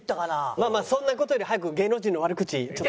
まあまあそんな事より早く芸能人の悪口ちょっと。